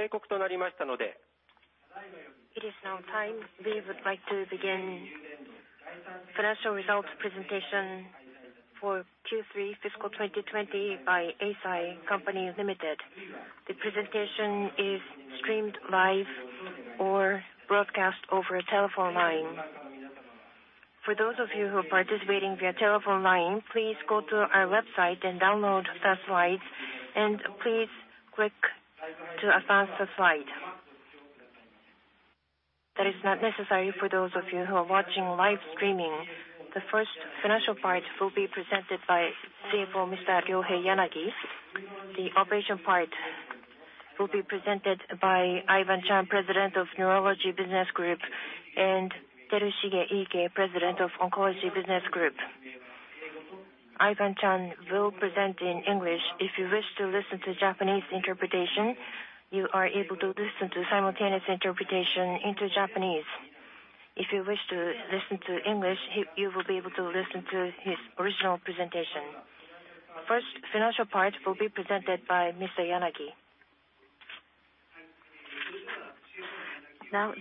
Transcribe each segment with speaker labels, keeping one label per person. Speaker 1: It is now time. We would like to begin financial results presentation for Q3 fiscal 2020 by Eisai Co., Ltd. The presentation is streamed live or broadcast over a telephone line. For those of you who are participating via telephone line, please go to our website and download the slides. Please click to advance the slide. That is not necessary for those of you who are watching live streaming. The first financial part will be presented by CFO, Mr. Ryohei Yanagi. The operation part will be presented by Ivan Cheung, President of Neurology Business Group, and Terushige Iike, President of Oncology Business Group. Ivan Cheung will present in English. If you wish to listen to Japanese interpretation, you are able to listen to simultaneous interpretation into Japanese. If you wish to listen to English, you will be able to listen to his original presentation. First, financial part will be presented by Mr. Yanagi.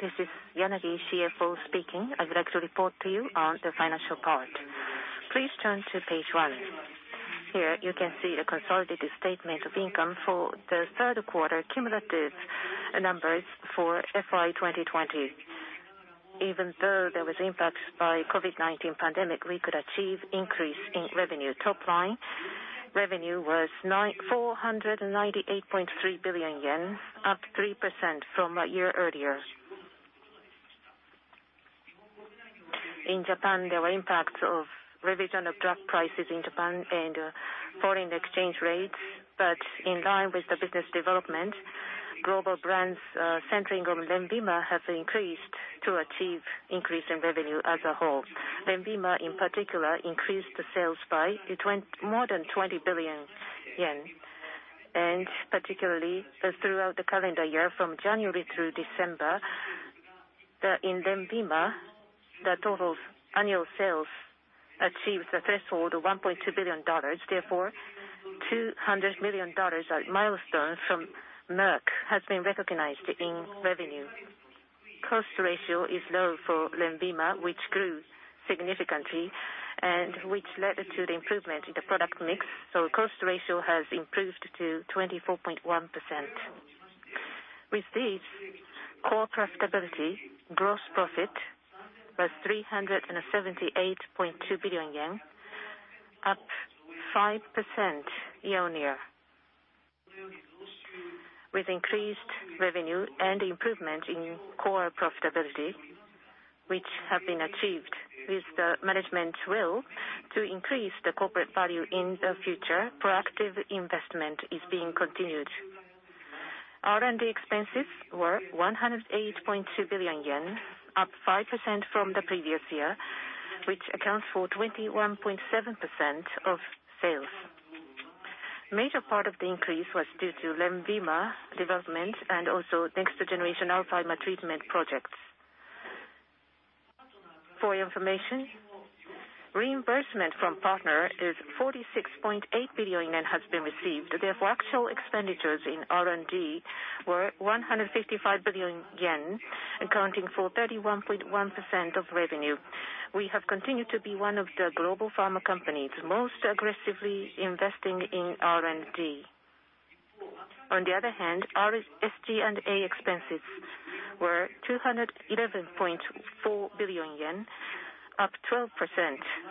Speaker 2: This is Yanagi, CFO speaking. I would like to report to you on the financial part. Please turn to page one. Here, you can see the consolidated statement of income for the third quarter cumulative numbers for FY 2020. Even though there was impacts by COVID-19 pandemic, we could achieve increase in revenue. Top line revenue was 498.3 billion yen, up 3% from a year earlier. In Japan, there were impacts of revision of drug prices in Japan and foreign exchange rates. In line with the business development, global brands, centering on LENVIMA, have increased to achieve increase in revenue as a whole. LENVIMA, in particular, increased the sales by more than 20 billion yen. Particularly, throughout the calendar year, from January through December, in LENVIMA, the total annual sales achieved the threshold of $1.2 billion. JPY 200 million of milestones from Merck has been recognized in revenue. Cost ratio is low for LENVIMA, which grew significantly and which led to the improvement in the product mix. Cost ratio has improved to 24.1%. With this, core profitability, gross profit was 378.2 billion yen, up 5% year-on-year. With increased revenue and improvement in core profitability, which have been achieved with the management will to increase the corporate value in the future, proactive investment is being continued. R&D expenses were 108.2 billion yen, up 5% from the previous year, which accounts for 21.7% of sales. Major part of the increase was due to LENVIMA development and also next-generation Alzheimer treatment projects. For your information, reimbursement from partner is 46.8 billion yen has been received. Actual expenditures in R&D were 155 billion yen, accounting for 31.1% of revenue. We have continued to be one of the global pharma companies most aggressively investing in R&D. On the other hand, our SG&A expenses were 211.4 billion yen, up 12%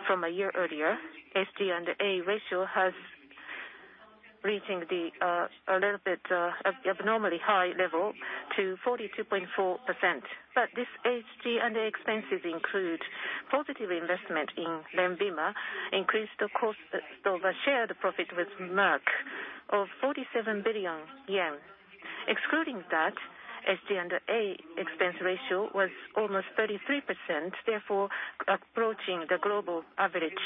Speaker 2: from a year earlier. SG&A ratio has reaching a little bit of abnormally high level to 42.4%. This SG&A expenses include positive investment in LENVIMA, increased the cost of a shared profit with Merck of 47 billion yen. Excluding that, SG&A expense ratio was almost 33%, therefore approaching the global average.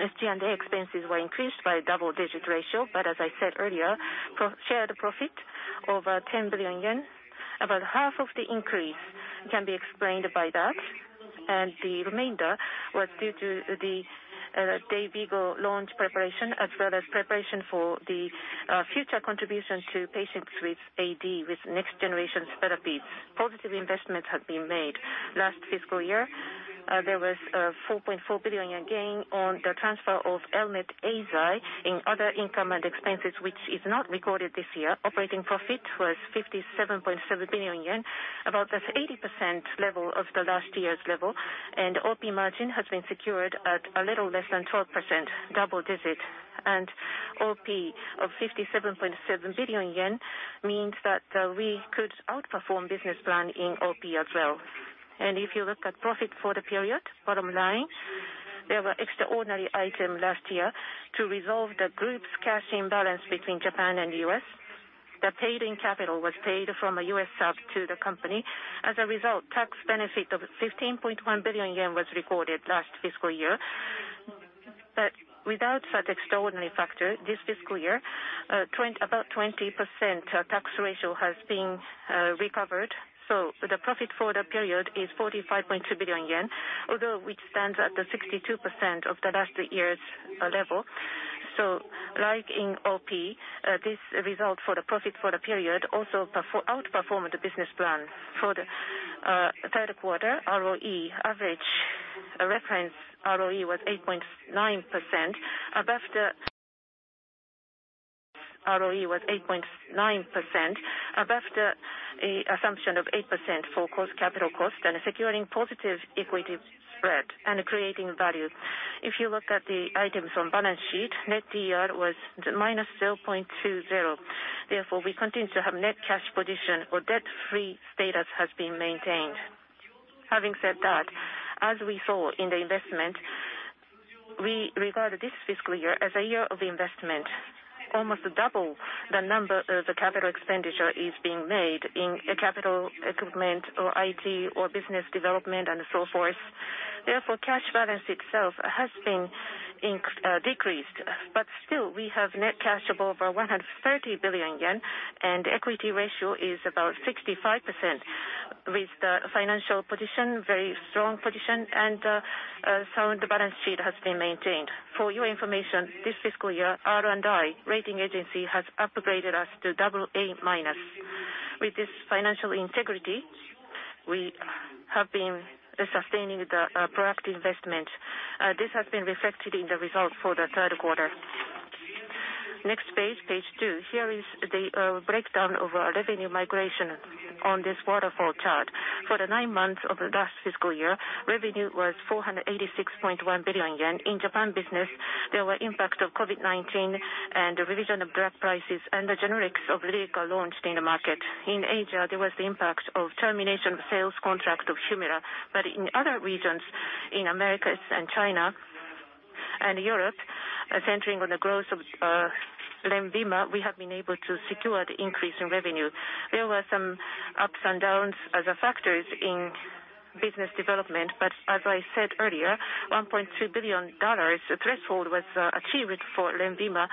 Speaker 2: SG&A expenses were increased by double-digit ratio, as I said earlier, shared profit over 10 billion yen. About half of the increase can be explained by that, the remainder was due to the DAYVIGO launch preparation, as well as preparation for the future contributions to patients with AD, with next-generation therapies. Positive investments have been made. Last fiscal year, there was a 4.4 billion gain on the transfer of Elmed Eisai in other income and expenses, which is not recorded this year. Operating profit was 57.7 billion yen. About 80% level of the last year's level, OP margin has been secured at a little less than 12%, double digit. OP of 57.7 billion yen means that we could outperform business plan in OP as well. If you look at profit for the period, bottom line, there were extraordinary item last year to resolve the group's cash imbalance between Japan and the U.S. The paid-in capital was paid from a U.S. sub to the company. As a result, tax benefit of 15.1 billion yen was recorded last fiscal year. Without such extraordinary factor, this fiscal year, about 20% tax ratio has been recovered. The profit for the period is 45.2 billion yen. Although, which stands at the 62% of the last year's level. Like in OP, this result for the profit for the period also outperformed the business plan. For the third quarter, ROE, average reference ROE was 8.9%, above the assumption of 8% for cost capital cost and securing positive equity spread and creating value. If you look at the items on balance sheet, net D/E was -0.20. We continue to have net cash position or debt-free status has been maintained. Having said that, as we saw in the investment, we regard this fiscal year as a year of investment. Almost double the number of the capital expenditure is being made in a capital equipment or IT or business development and so forth. Cash balance itself has been decreased. Still, we have net cash of over 130 billion yen, and equity ratio is about 65%, with the financial position, very strong position, and sound balance sheet has been maintained. For your information, this fiscal year, R&I Rating agency has upgraded us to double A-minus. With this financial integrity, we have been sustaining the proactive investment. This has been reflected in the results for the third quarter. Next page two. Here is the breakdown of our revenue migration on this waterfall chart. For the nine months of last fiscal year, revenue was 486.1 billion yen. In Japan business, there were impact of COVID-19 and the revision of drug prices and the generics of Lyrica launched in the market. In Asia, there was the impact of termination of sales contract of HUMIRA. In other regions, in Americas and China and Europe, centering on the growth of LENVIMA, we have been able to secure the increase in revenue. There were some ups and downs as factors in business development, but as I said earlier, $1.2 billion threshold was achieved for LENVIMA.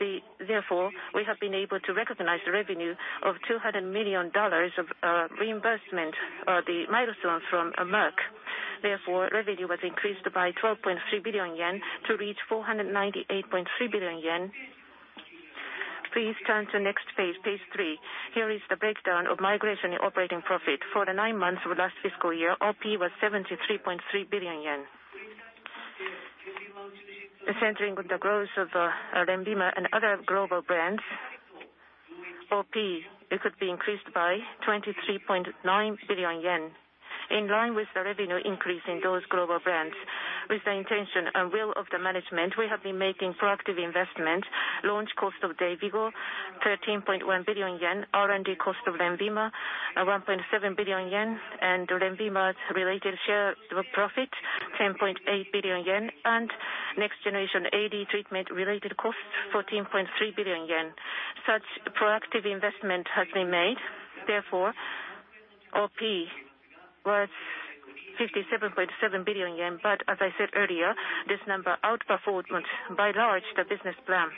Speaker 2: We have been able to recognize the revenue of $200 million of reimbursement, the milestone from Merck. Revenue was increased by 12.3 billion yen to reach 498.3 billion yen. Please turn to next page three. Here is the breakdown of operating profit. For the nine months of last fiscal year, OP was 73.3 billion yen. Centering on the growth of LENVIMA and other global brands, OP, it could be increased by 23.9 billion yen. In line with the revenue increase in those global brands, with the intention and will of the management, we have been making proactive investment, launch cost of DAYVIGO, 13.1 billion yen, R&D cost of LENVIMA, 1.7 billion yen, and LENVIMA's related share of profit, 10.8 billion yen, and next generation AD treatment-related costs, 14.3 billion yen. Such proactive investment has been made, OP was 57.7 billion yen. As I said earlier, this number outperformed by large the business plan.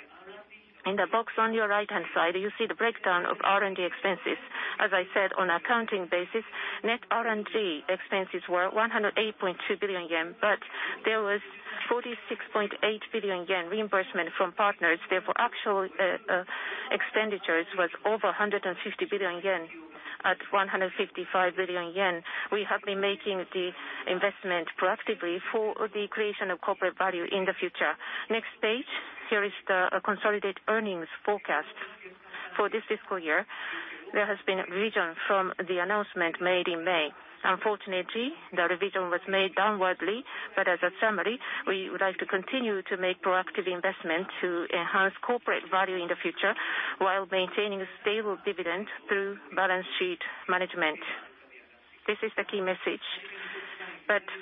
Speaker 2: In the box on your right-hand side, you see the breakdown of R&D expenses. As I said, on accounting basis, net R&D expenses were 108.2 billion yen, there was 46.8 billion yen reimbursement from partners. Actual expenditures was over 150 billion yen at 155 billion yen. We have been making the investment proactively for the creation of corporate value in the future. Next page. Here is the consolidated earnings forecast. For this fiscal year, there has been a revision from the announcement made in May. Unfortunately, the revision was made downwardly, but as a summary, we would like to continue to make proactive investment to enhance corporate value in the future while maintaining a stable dividend through balance sheet management. This is the key message.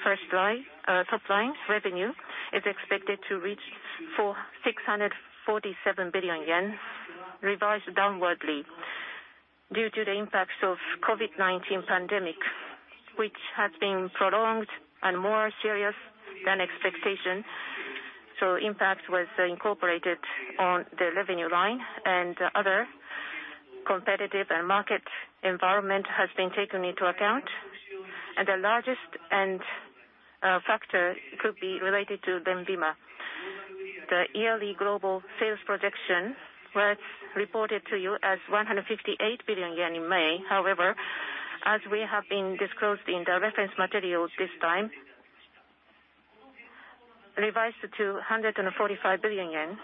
Speaker 2: First line, top line, revenue is expected to reach for 647 billion yen, revised downwardly due to the impacts of COVID-19 pandemic, which has been prolonged and more serious than expectations. Impact was incorporated on the revenue line, and other competitive and market environment has been taken into account, and the largest factor could be related to LENVIMA. The yearly global sales projection was reported to you as 158 billion yen in May. However, as we have been disclosed in the reference materials this time, revised to 145 billion yen.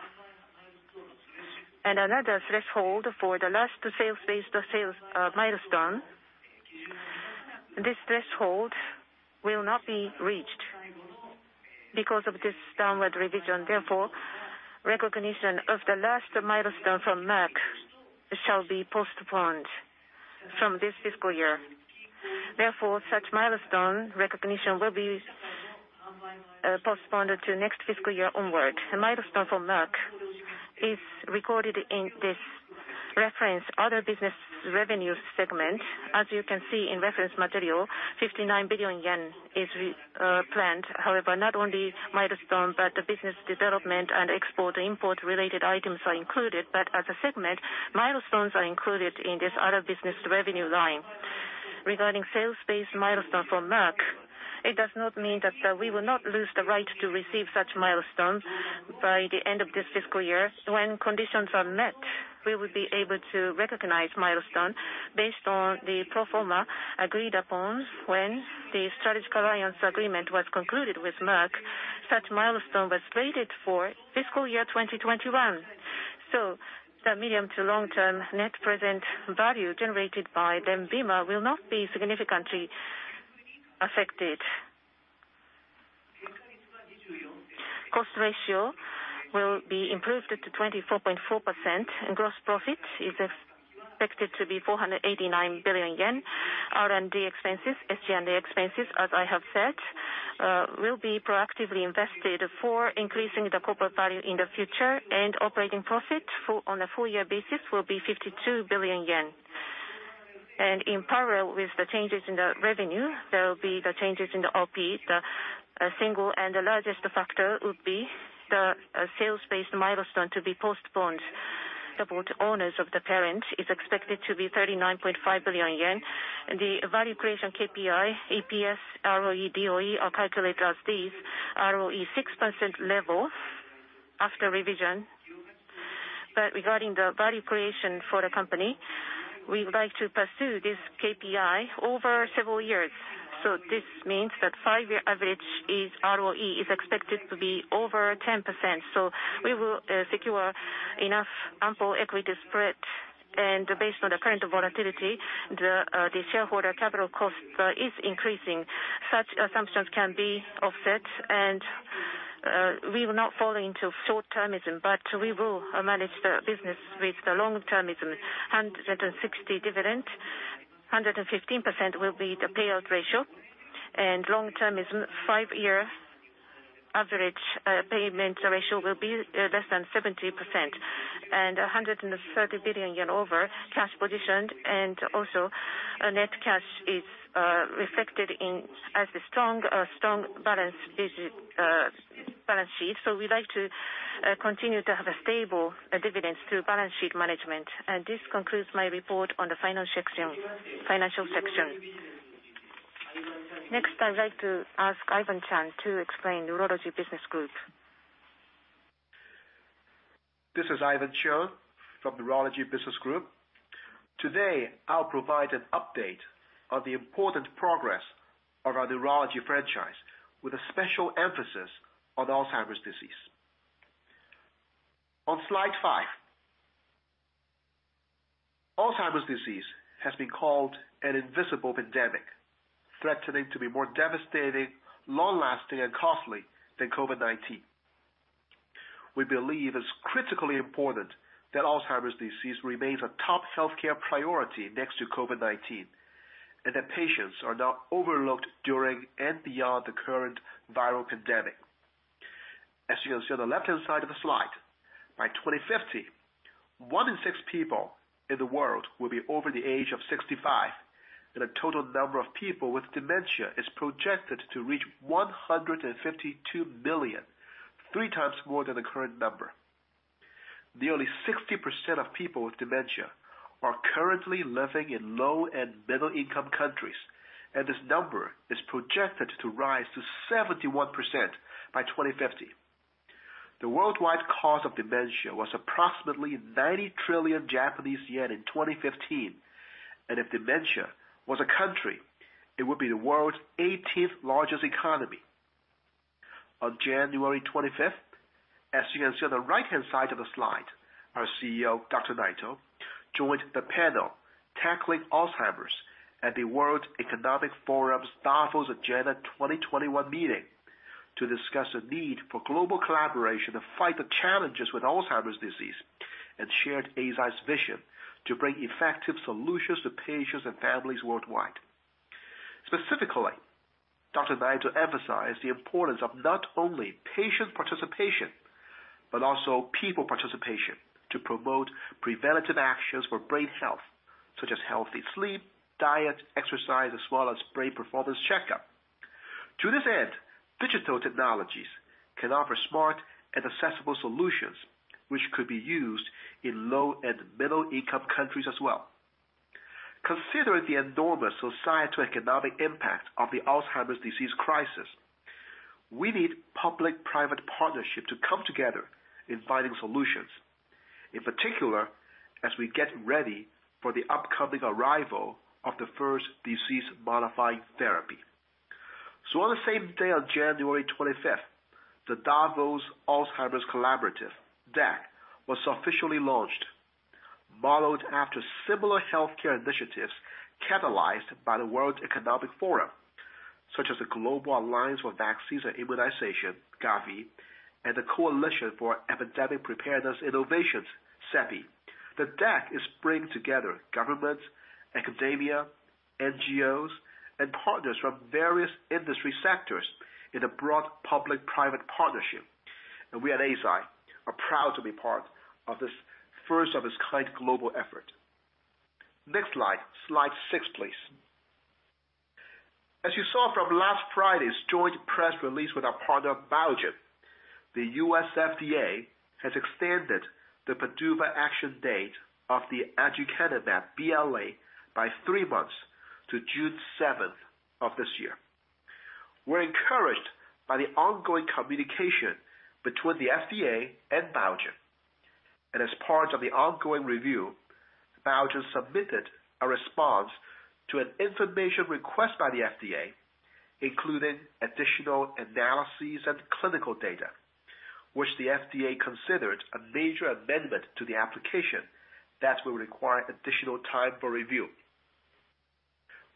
Speaker 2: Another threshold for the last sales-based sales milestone, this threshold will not be reached because of this downward revision. Recognition of the last milestone from Merck shall be postponed from this fiscal year. Such milestone recognition will be postponed to next fiscal year onward. The milestone from Merck is recorded in this reference other business revenue segment. As you can see in reference material, 59 billion yen is planned. Not only milestone, but the business development and export-import related items are included. As a segment, milestones are included in this other business revenue line. Regarding sales-based milestones for Merck, it does not mean that we will not lose the right to receive such milestones by the end of this fiscal year. When conditions are met, we will be able to recognize milestone based on the pro forma agreed upon when the strategic alliance agreement was concluded with Merck. Such milestone was slated for FY 2021. The medium to long-term net present value generated by LENVIMA will not be significantly affected. Cost ratio will be improved to 24.4%, and gross profit is expected to be 489 billion yen. R&D expenses, SG&A expenses, as I have said, will be proactively invested for increasing the corporate value in the future, and operating profit on a full year basis will be 52 billion yen. In parallel with the changes in the revenue, there will be the changes in the OP. The single and the largest factor would be the sales-based milestone to be postponed. Support owners of the parent is expected to be 39.5 billion yen. The value creation KPI, EPS, ROE, DOE, are calculated as these. ROE 6% level after revision. Regarding the value creation for the company, we would like to pursue this KPI over several years. This means that 5-year average ROE is expected to be over 10%. We will secure enough ample equity spread, and based on the current volatility, the shareholder capital cost is increasing. Such assumptions can be offset, and we will not fall into short-termism, but we will manage the business with the long-termism. 160 dividend, 115% will be the payout ratio. Long-termism, 5-year average payment ratio will be less than 70%. 130 billion yen over cash positioned and also net cash is reflected as the strong balance sheet. We'd like to continue to have stable dividends through balance sheet management. This concludes my report on the financial section. Next, I'd like to ask Ivan Cheung to explain Neurology Business Group.
Speaker 3: This is Ivan Cheung from Neurology Business Group. Today, I'll provide an update on the important progress of our neurology franchise with a special emphasis on Alzheimer's disease. On slide five. Alzheimer's disease has been called an invisible pandemic, threatening to be more devastating, long-lasting, and costly than COVID-19. We believe it's critically important that Alzheimer's disease remains a top healthcare priority next to COVID-19, and that patients are not overlooked during and beyond the current viral pandemic. As you can see on the left-hand side of the slide, by 2050, one in six people in the world will be over the age of 65, and the total number of people with dementia is projected to reach 152 million, three times more than the current number. Nearly 60% of people with dementia are currently living in low and middle-income countries, and this number is projected to rise to 71% by 2050. The worldwide cause of dementia was approximately 90 trillion Japanese yen in 2015, and if dementia was a country, it would be the world's 18th largest economy. On January 25th, as you can see on the right-hand side of the slide, our CEO, Dr. Naito, joined the panel Tackling Alzheimer's at the World Economic Forum's Davos Agenda 2021 meeting to discuss the need for global collaboration to fight the challenges with Alzheimer's disease and shared Eisai's vision to bring effective solutions to patients and families worldwide. Specifically, Dr. Naito emphasized the importance of not only patient participation, but also people participation to promote preventative actions for brain health, such as healthy sleep, diet, exercise, as well as brain performance checkup. To this end, digital technologies can offer smart and accessible solutions which could be used in low and middle-income countries as well. Considering the enormous socioeconomic impact of the Alzheimer's disease crisis, we need public-private partnership to come together in finding solutions, in particular, as we get ready for the upcoming arrival of the first disease-modifying therapy. On the same day on January 25th, the Davos Alzheimer's Collaborative, DAC, was officially launched, modeled after similar healthcare initiatives catalyzed by the World Economic Forum, such as the Global Alliance for Vaccines and Immunization, GAVI, and the Coalition for Epidemic Preparedness Innovations, CEPI. The DAC is bringing together governments, academia, NGOs, and partners from various industry sectors in a broad public-private partnership. We at Eisai are proud to be part of this first-of-its-kind global effort. Next slide. Slide six, please. As you saw from last Friday's joint press release with our partner, Biogen, the U.S. FDA has extended the PDUFA action date of the aducanumab BLA by three months to June 7 of this year. We're encouraged by the ongoing communication between the FDA and Biogen. As part of the ongoing review, Biogen submitted a response to an information request by the FDA, including additional analyses and clinical data, which the FDA considered a major amendment to the application that will require additional time for review.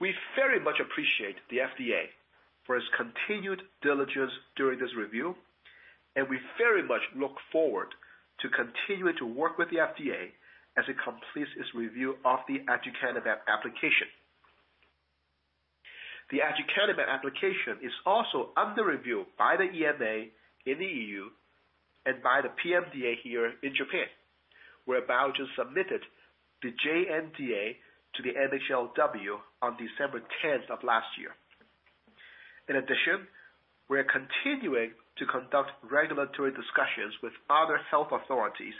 Speaker 3: We very much appreciate the FDA for its continued diligence during this review. We very much look forward to continuing to work with the FDA as it completes its review of the aducanumab application. The aducanumab application is also under review by the EMA in the EU and by the PMDA here in Japan, where Biogen submitted the jNDA to the MHLW on December 10th of last year. In addition, we are continuing to conduct regulatory discussions with other health authorities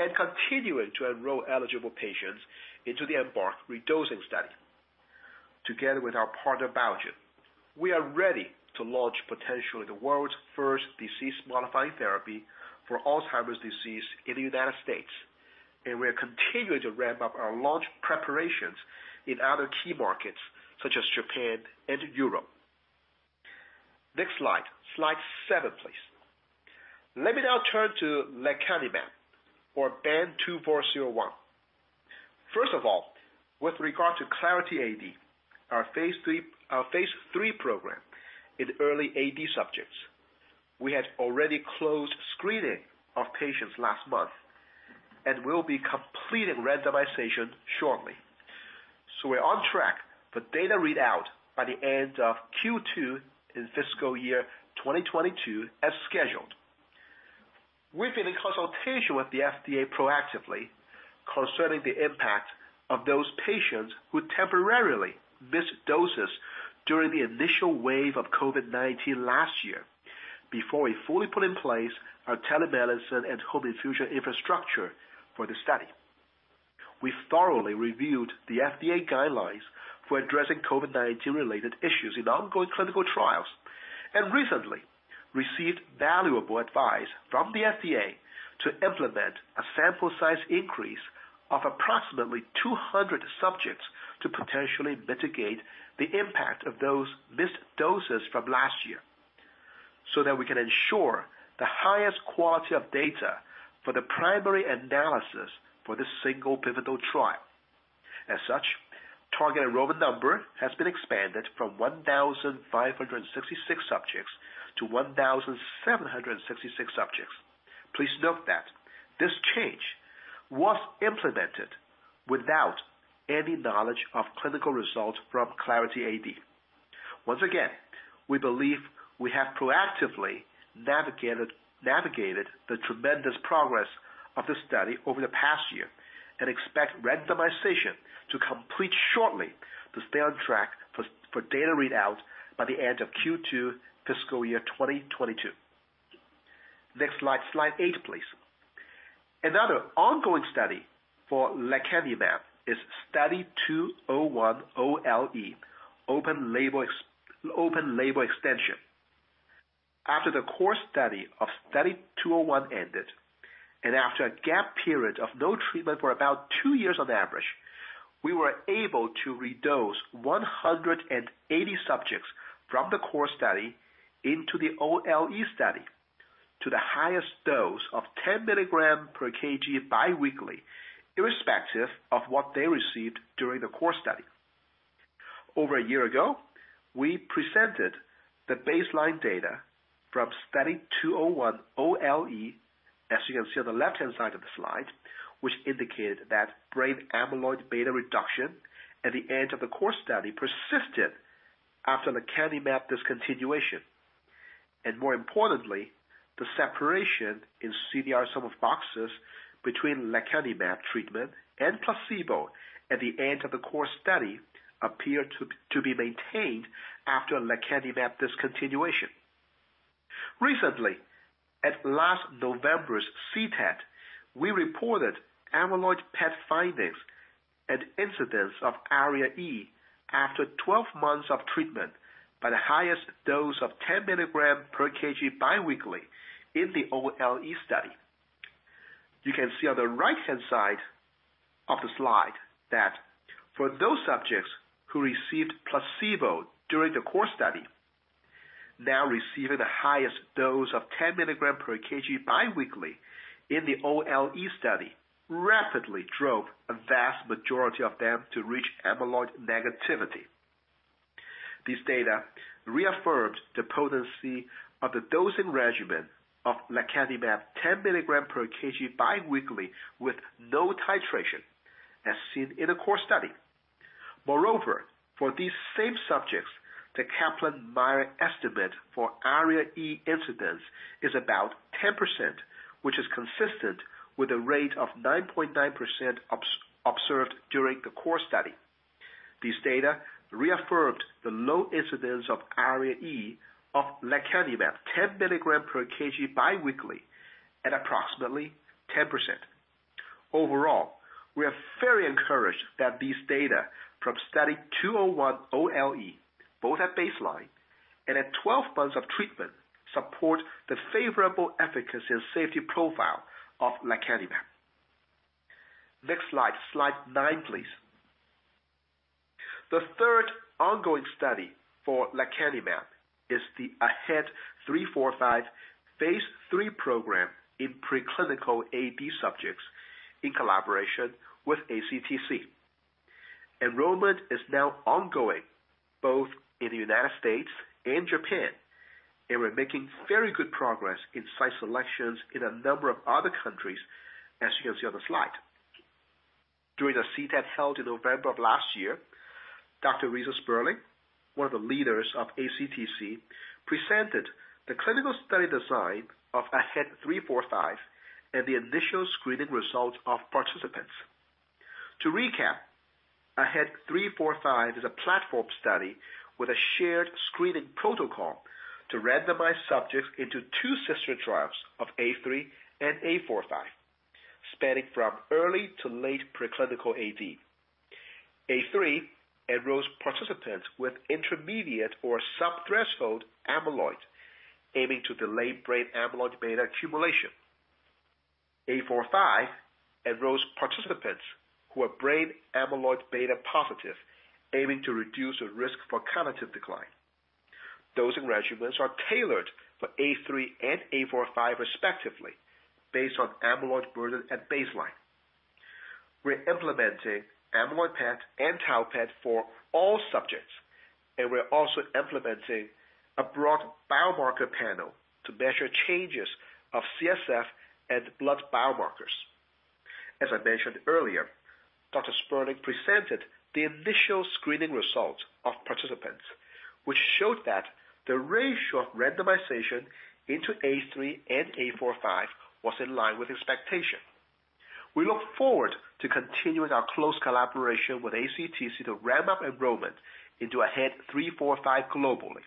Speaker 3: and continuing to enroll eligible patients into the EMBARK redosing study. Together with our partner, Biogen, we are ready to launch potentially the world's first disease-modifying therapy for Alzheimer's disease in the United States, and we are continuing to ramp up our launch preparations in other key markets such as Japan and Europe. Next slide seven, please. Let me now turn to lecanemab, or BAN2401. First of all, with regard to Clarity AD, our phase III program in early AD subjects, we had already closed screening of patients last month and will be completing randomization shortly. We're on track for data readout by the end of Q2 in FY 2022 as scheduled. We've been in consultation with the FDA proactively concerning the impact of those patients who temporarily missed doses during the initial wave of COVID-19 last year, before we fully put in place our telemedicine and home infusion infrastructure for the study. We thoroughly reviewed the FDA guidelines for addressing COVID-19 related issues in ongoing clinical trials and recently received valuable advice from the FDA to implement a sample size increase of approximately 200 subjects to potentially mitigate the impact of those missed doses from last year so that we can ensure the highest quality of data for the primary analysis for this single pivotal trial. As such, target enrollment number has been expanded from 1,566 subjects to 1,766 subjects. Please note that this change was implemented without any knowledge of clinical results from Clarity AD. We believe we have proactively navigated the tremendous progress of this study over the past year and expect randomization to complete shortly to stay on track for data readout by the end of Q2 fiscal year 2022. Next slide eight, please. Another ongoing study for lecanemab is Study 201-OLE, open label extension. After the core study of Study 201 ended, and after a gap period of no treatment for about two years on average, we were able to redose 180 subjects from the core study into the OLE study to the highest dose of 10 mg/kg biweekly, irrespective of what they received during the core study. Over a year ago, we presented the baseline data from Study 201-OLE, as you can see on the left-hand side of the slide, which indicated that brain amyloid beta reduction at the end of the core study persisted after lecanemab discontinuation. More importantly, the separation in CDR Sum of Boxes between lecanemab treatment and placebo at the end of the core study appeared to be maintained after lecanemab discontinuation. Recently, at last November's CTAD, we reported amyloid PET findings and incidence of ARIA-E after 12 months of treatment by the highest dose of 10 mg/kg biweekly in the OLE study. You can see on the right-hand side of the slide that for those subjects who received placebo during the core study, now receiving the highest dose of 10 mg/kg biweekly in the OLE study rapidly drove a vast majority of them to reach amyloid negativity. This data reaffirmed the potency of the dosing regimen of lecanemab 10 mg/kg biweekly with no titration, as seen in the core study. Moreover, for these same subjects, the Kaplan-Meier estimate for ARIA-E incidence is about 10%, which is consistent with a rate of 9.9% observed during the core study. This data reaffirmed the low incidence of ARIA-E of lecanemab, 10 mg/kg biweekly at approximately 10%. Overall, we are very encouraged that these data from Study 201-OLE, both at baseline and at 12 months of treatment, support the favorable efficacy and safety profile of lecanemab. Next slide nine, please. The third ongoing study for lecanemab is the AHEAD 3-45 phase III program in preclinical AD subjects in collaboration with ACTC. Enrollment is now ongoing both in the U.S. and Japan, and we're making very good progress in site selections in a number of other countries, as you can see on the slide. During the CTAD held in November of last year, Dr. Reisa Sperling, one of the leaders of ACTC, presented the clinical study design of AHEAD 3-45 and the initial screening results of participants. To recap, AHEAD 3-45 is a platform study with a shared screening protocol to randomize subjects into two sister trials of A3 and A45, spanning from early to late preclinical AD. A3 enrolls participants with intermediate or sub-threshold amyloid, aiming to delay brain amyloid beta accumulation. A45 enrolls participants who are brain amyloid beta positive, aiming to reduce the risk for cognitive decline. Dosing regimens are tailored for A3 and A45 respectively, based on amyloid burden at baseline. We're also implementing amyloid PET and tau PET for all subjects, and we're also implementing a broad biomarker panel to measure changes of CSF and blood biomarkers. As I mentioned earlier, Dr. Sperling presented the initial screening results of participants, which showed that the ratio of randomization into A3 and A45 was in line with expectation. We look forward to continuing our close collaboration with ACTC to ramp up enrollment into AHEAD 3-45 globally,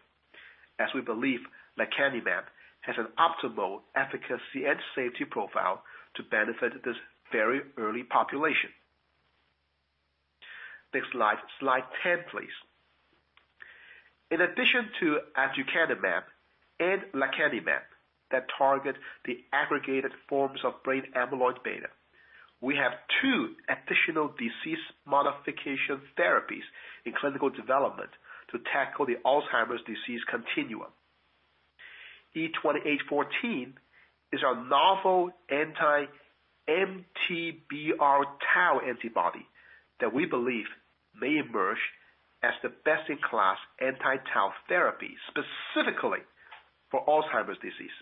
Speaker 3: as we believe lecanemab has an optimal efficacy and safety profile to benefit this very early population. Next slide 10, please. In addition to aducanumab and lecanemab that target the aggregated forms of brain amyloid beta, we have two additional disease modification therapies in clinical development to tackle the Alzheimer's disease continuum. E2814 is our novel anti-MTBR tau antibody that we believe may emerge as the best-in-class anti-tau therapy, specifically for Alzheimer's disease.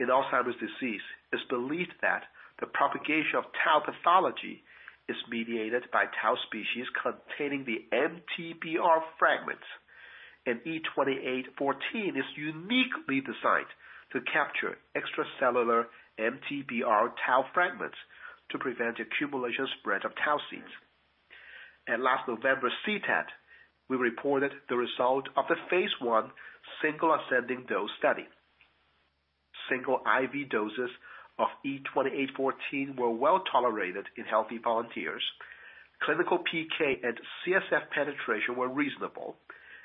Speaker 3: In Alzheimer's disease, it's believed that the propagation of tau pathology is mediated by tau species containing the MTBR fragments. E2814 is uniquely designed to capture extracellular MTBR tau fragments to prevent accumulation spread of tau seeds. At last November CTAD, we reported the result of the phase I single ascending dose study. Single IV doses of E2814 were well-tolerated in healthy volunteers. Clinical PK and CSF penetration were reasonable,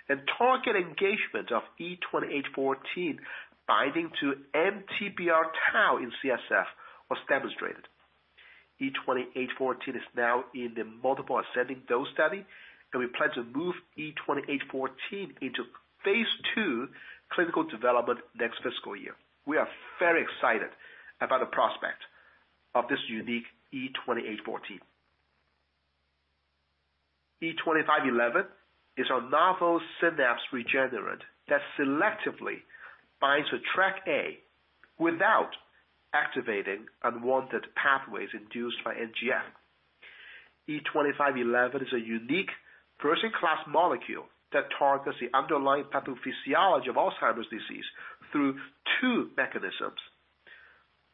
Speaker 3: and target engagement of E2814 binding to MTBR tau in CSF was demonstrated. E2814 is now in the multiple ascending dose study, and we plan to move E2814 into phase II clinical development next fiscal year. We are very excited about the prospect of this unique E2814. E2511 is our novel synapse regenerant that selectively binds to TrkA without activating unwanted pathways induced by NGF. E2511 is a unique first-in-class molecule that targets the underlying pathophysiology of Alzheimer's disease through two mechanisms.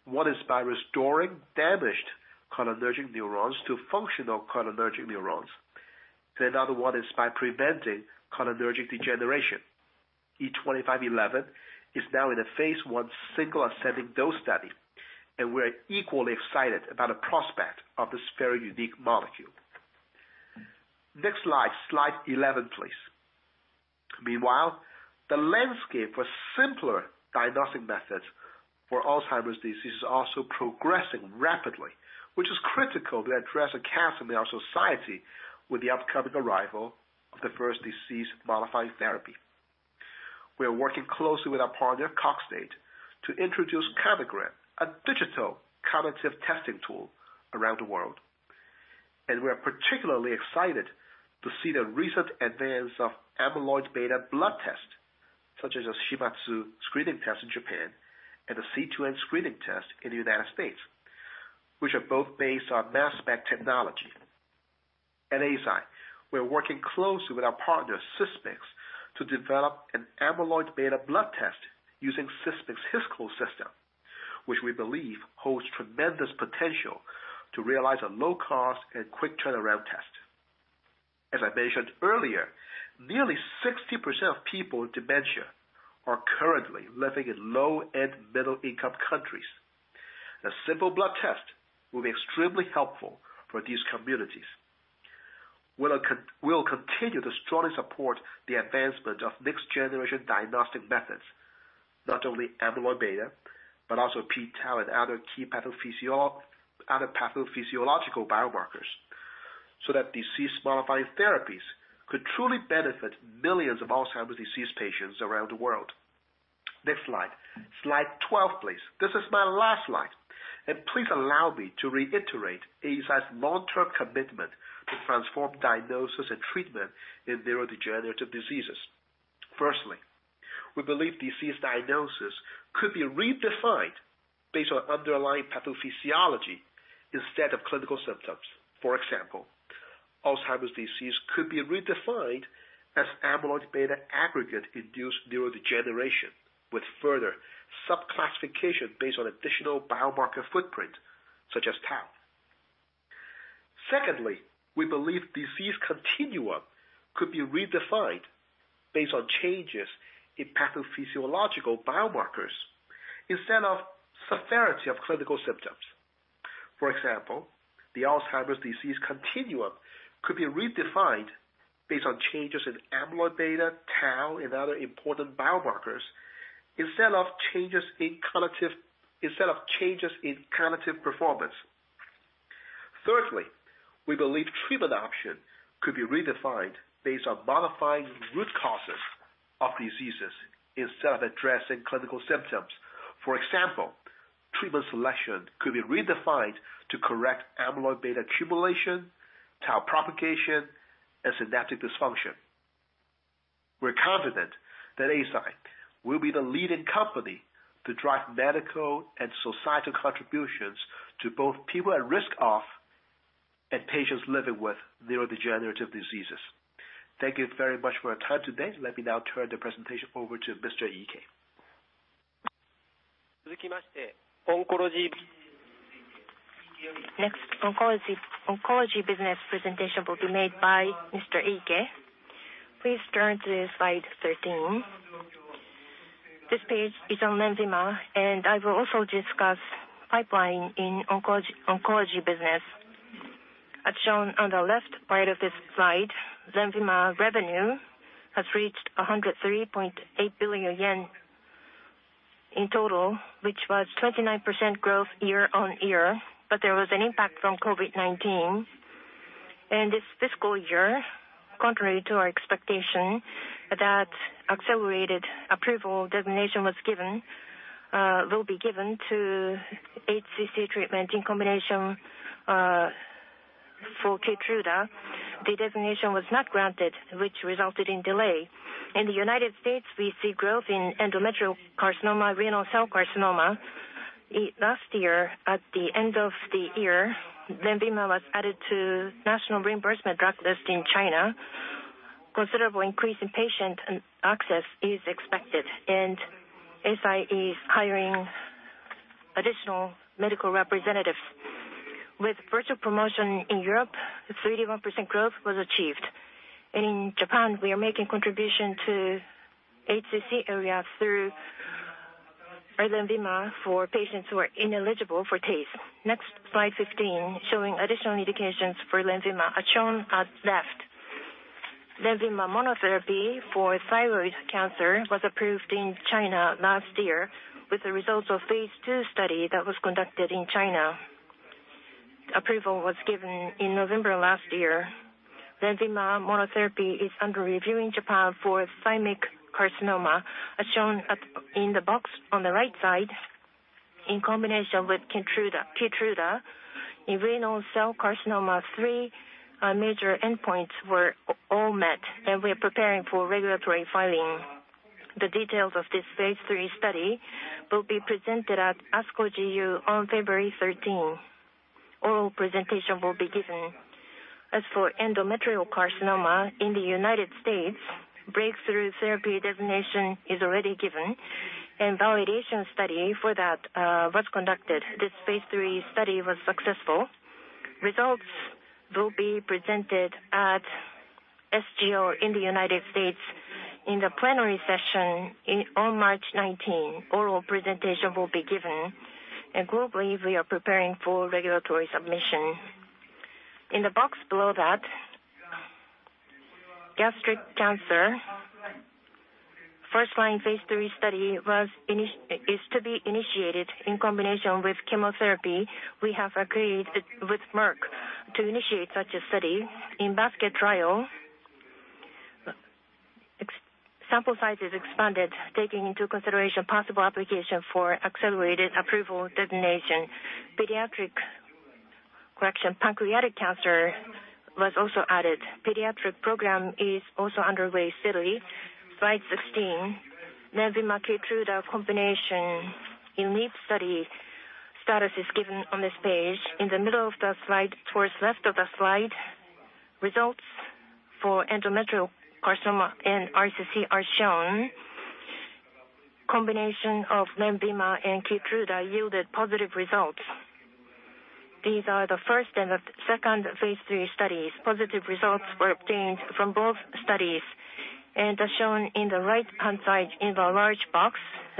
Speaker 3: One is by restoring damaged cholinergic neurons to functional cholinergic neurons. The other one is by preventing cholinergic degeneration. E2511 is now in a phase I single ascending dose study. We're equally excited about the prospect of this very unique molecule. Next slide 11, please. Meanwhile, the landscape for simpler diagnostic methods for Alzheimer's disease is also progressing rapidly, which is critical to address a chasm in our society with the upcoming arrival of the first disease-modifying therapy. We are working closely with our partner, Cogstate, to introduce Cognigram, a digital cognitive testing tool around the world. We are particularly excited to see the recent advance of amyloid beta blood test, such as a Shimadzu screening test in Japan and a C2N screening test in the United States, which are both based on mass spec technology. At Eisai, we're working closely with our partner, Sysmex, to develop an amyloid beta blood test using Sysmex's HISCL system, which we believe holds tremendous potential to realize a low-cost and quick turnaround test. As I mentioned earlier, nearly 60% of people with dementia are currently living in low and middle-income countries. A simple blood test will be extremely helpful for these communities. We'll continue to strongly support the advancement of next-generation diagnostic methods, not only amyloid beta, but also p-tau and other pathophysiological biomarkers, so that disease-modifying therapies could truly benefit millions of Alzheimer's disease patients around the world. Next slide. Slide 12, please. This is my last slide, and please allow me to reiterate Eisai's long-term commitment to transform diagnosis and treatment in neurodegenerative diseases. Firstly, we believe disease diagnosis could be redefined based on underlying pathophysiology instead of clinical symptoms. For example, Alzheimer's Disease could be redefined as amyloid beta aggregate-induced neurodegeneration, with further sub-classification based on additional biomarker footprint, such as tau. Secondly, we believe disease continuum could be redefined based on changes in pathophysiological biomarkers instead of severity of clinical symptoms. For example, the Alzheimer's Disease continuum could be redefined based on changes in amyloid beta, tau, and other important biomarkers instead of changes in cognitive performance. Thirdly, we believe treatment option could be redefined based on modifying root causes of diseases instead of addressing clinical symptoms. For example, treatment selection could be redefined to correct amyloid beta accumulation, tau propagation, and synaptic dysfunction. We're confident that Eisai will be the leading company to drive medical and societal contributions to both people at risk of, and patients living with neurodegenerative diseases. Thank you very much for your time today. Let me now turn the presentation over to Mr. Iike.
Speaker 1: Next, oncology business presentation will be made by Mr. Iike.
Speaker 4: Please turn to slide 13. This page is on LENVIMA, and I will also discuss pipeline in oncology business. As shown on the left part of this slide, LENVIMA revenue has reached 103.8 billion yen in total, which was 29% growth year-on-year. There was an impact from COVID-19. This fiscal year, contrary to our expectation that accelerated approval designation will be given to HCC treatment in combination for KEYTRUDA. The designation was not granted, which resulted in delay. In the United States, we see growth in endometrial carcinoma, renal cell carcinoma. Last year, at the end of the year, LENVIMA was added to national reimbursement drug list in China. Considerable increase in patient access is expected, and Eisai is hiring additional medical representatives. With virtual promotion in Europe, 31% growth was achieved. In Japan, we are making contribution to HCC area through LENVIMA for patients who are ineligible for TACE. Slide 15, showing additional indications for LENVIMA are shown at left. LENVIMA monotherapy for thyroid cancer was approved in China last year with the results of phase II study that was conducted in China. Approval was given in November last year. LENVIMA monotherapy is under review in Japan for thymic carcinoma. As shown in the box on the right side, in combination with KEYTRUDA in renal cell carcinoma, three major endpoints were all met, and we are preparing for regulatory filing. The details of this phase III study will be presented at ASCO GU on February 13. Oral presentation will be given. As for endometrial carcinoma in the U.S., breakthrough therapy designation is already given, and validation study for that was conducted. This phase III study was successful. Results will be presented at SGO in the U.S. in the plenary session on March 19. Oral presentation will be given. Globally, we are preparing for regulatory submission. In the box below that, gastric cancer, first-line phase III study is to be initiated in combination with chemotherapy. We have agreed with Merck to initiate such a study. In basket trial, sample size is expanded, taking into consideration possible application for accelerated approval designation. Pancreatic cancer was also added. Pediatric program is also underway. Slide 16. LENVIMA/KEYTRUDA combination in LEAP study. Status is given on this page. In the middle of the slide, towards left of the slide, results for endometrial carcinoma and RCC are shown. Combination of LENVIMA and KEYTRUDA yielded positive results. These are the first and the second phase III studies. Positive results were obtained from both studies. As shown in the right-hand side in the large box,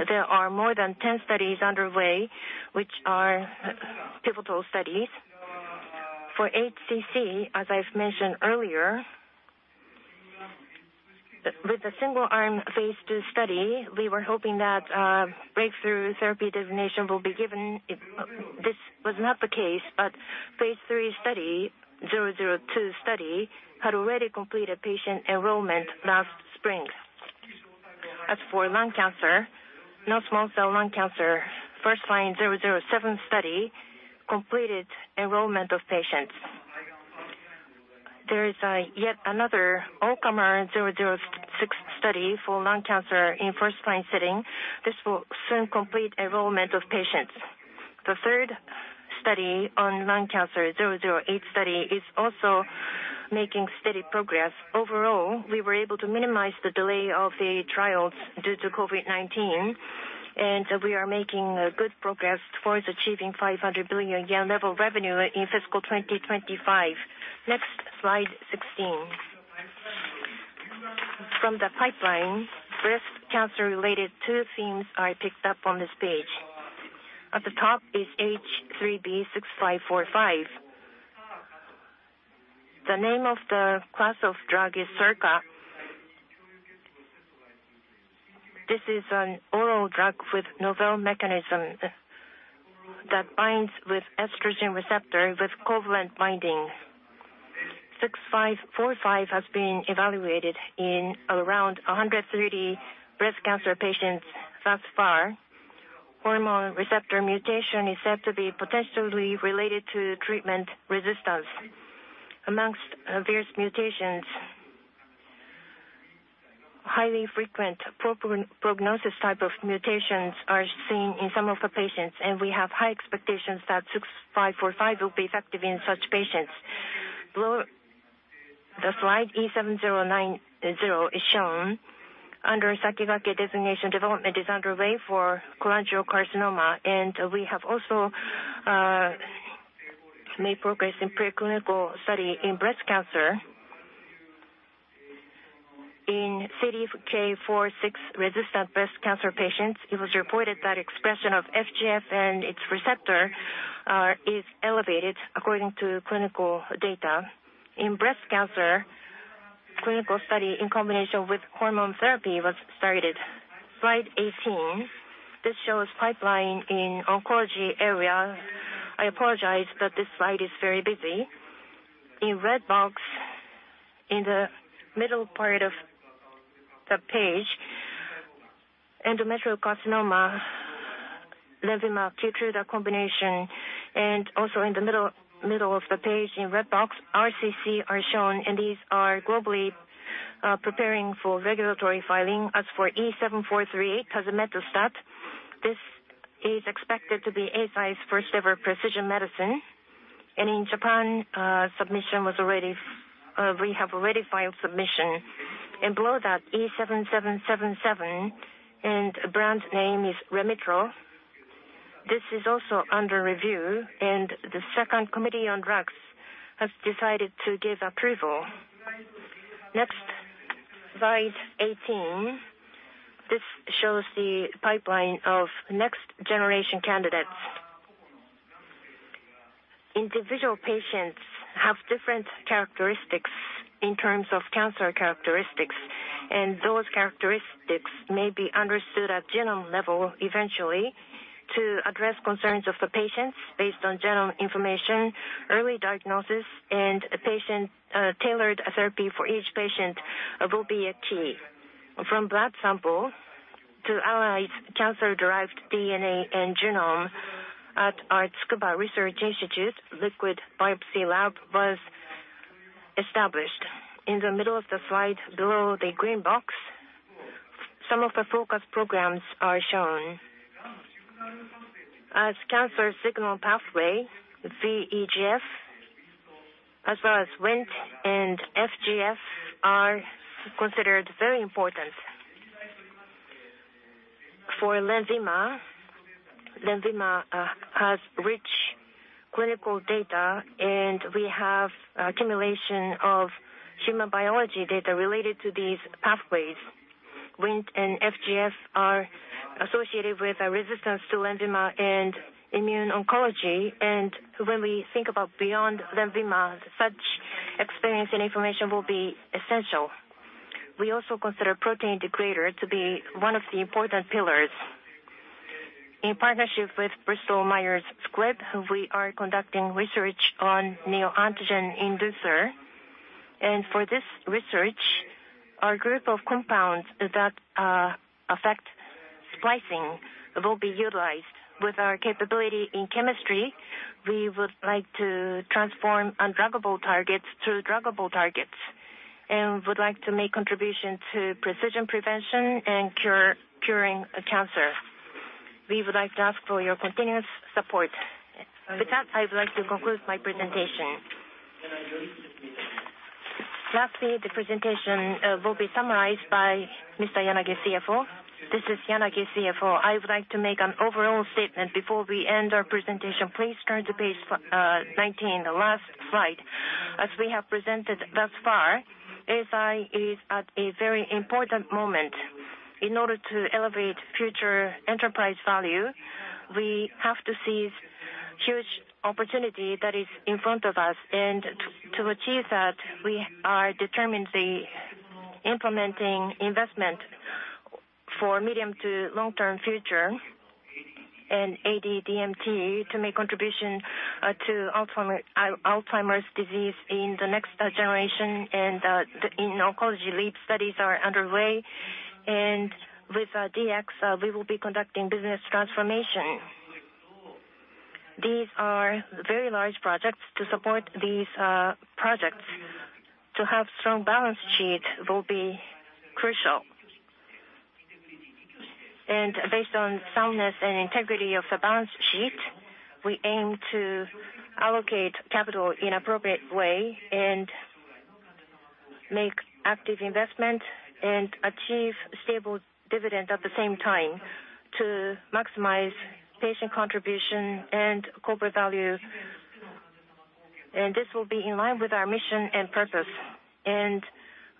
Speaker 4: there are more than 10 studies underway, which are pivotal studies. For HCC, as I've mentioned earlier, with the single-arm phase II study, we were hoping that breakthrough therapy designation will be given. This was not the case, phase III study, 002 study, had already completed patient enrollment last spring. As for lung cancer, non-small cell lung cancer, first-line 007 study completed enrollment of patients. There is yet another LEAP-006 study for lung cancer in first-line setting. This will soon complete enrollment of patients. The third study on lung cancer, 008 study, is also making steady progress. Overall, we were able to minimize the delay of the trials due to COVID-19, and we are making good progress towards achieving 500 billion yen level revenue in FY 2025. Next, slide 16. From the pipeline, breast cancer-related two themes are picked up on this page. At the top is H3B-6545. The name of the class of drug is SERCA. This is an oral drug with novel mechanism that binds with estrogen receptor with covalent binding. 6545 has been evaluated in around 130 breast cancer patients thus far. Hormone receptor mutation is said to be potentially related to treatment resistance. Amongst various mutations, highly frequent poor prognosis type of mutations are seen in some of the patients, and we have high expectations that 6545 will be effective in such patients. Below the slide, E7090 is shown. Under Sakigake designation, development is underway for cholangiocarcinoma, and we have also made progress in pre-clinical study in breast cancer. In CDK4/6-resistant breast cancer patients, it was reported that expression of FGF and its receptor are elevated according to clinical data. In breast cancer, clinical study in combination with hormone therapy was started. Slide 18. This shows pipeline in oncology area. I apologize that this slide is very busy. In red box in the middle part of the page, endometrial carcinoma LENVIMA-KEYTRUDA combination, and also in the middle of the page in red box, RCC are shown, and these are globally preparing for regulatory filing. As for E7438, tazemetostat, this is expected to be Eisai's first-ever precision medicine. In Japan, we have already filed submission. Below that, E7777, and brand name is Remitoro. This is also under review, and the second committee on drugs has decided to give approval. Next, slide 18. This shows the pipeline of next-generation candidates. Individual patients have different characteristics in terms of cancer characteristics. Those characteristics may be understood at genome level eventually to address concerns of the patients based on genome information, early diagnosis, and tailored therapy for each patient will be a key. From blood sample to analyze cancer-derived DNA and genome at our Tsukuba Research Institute, liquid biopsy lab was established. In the middle of the slide below the green box, some of the focus programs are shown. As cancer signal pathway, VEGF as well as WNT and FGF are considered very important. For LENVIMA has rich clinical data. We have accumulation of human biology data related to these pathways. WNT and FGF are associated with a resistance to LENVIMA and immune oncology. When we think about beyond LENVIMA, such experience and information will be essential. We also consider protein degrader to be one of the important pillars. In partnership with Bristol Myers Squibb, we are conducting research on neoantigen inducer. For this research, our group of compounds that affect splicing will be utilized. With our capability in chemistry, we would like to transform undruggable targets to druggable targets. We would like to make contribution to precision prevention and curing cancer. We would like to ask for your continuous support. With that, I would like to conclude my presentation.
Speaker 1: Lastly, the presentation will be summarized by Mr. Yanagi, CFO.
Speaker 2: This is Yanagi, CFO. I would like to make an overall statement before we end our presentation. Please turn to page 19, the last slide. As we have presented thus far, Eisai is at a very important moment. In order to elevate future enterprise value, we have to seize huge opportunity that is in front of us. To achieve that, we are determinedly implementing investment for medium to long-term future in AD DMT to make contribution to Alzheimer's disease in the next generation. In oncology, lead studies are underway. With DX, we will be conducting business transformation. These are very large projects. To support these projects, to have strong balance sheet will be crucial. Based on soundness and integrity of the balance sheet, we aim to allocate capital in appropriate way and make active investment and achieve stable dividend at the same time to maximize patient contribution and corporate value. This will be in line with our mission and purpose.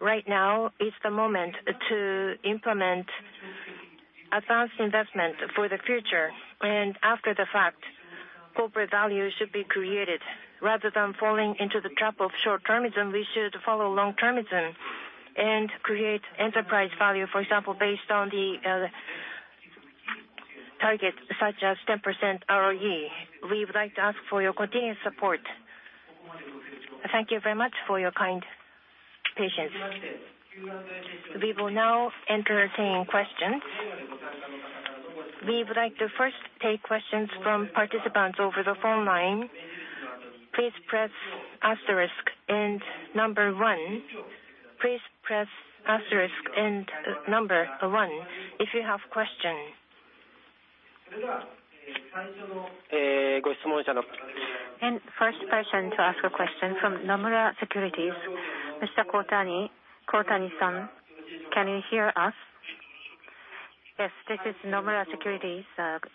Speaker 2: Right now is the moment to implement advanced investment for the future. After the fact, corporate value should be created. Rather than falling into the trap of short-termism, we should follow long-termism and create enterprise value.
Speaker 1: For example, based on the target such as 10% ROE. We would like to ask for your continued support.
Speaker 5: Thank you very much for your kind patience. We will now entertain questions. We would like to first take questions from participants over the phone line. Please press asterisk and number one. Please press asterisk and number one if you have question.
Speaker 1: First person to ask a question from Nomura Securities, Mr. Kotani. Kotani-san, can you hear us?
Speaker 6: Yes. This is Nomura Securities,